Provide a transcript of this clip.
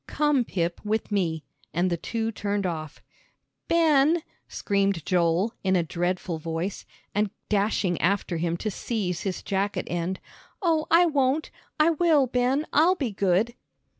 "Come, Pip, with me," and the two turned off. "Ben," screamed Joel, in a dreadful voice, and dashing after him to seize his jacket end. "Oh, I won't I will, Ben, I'll be good."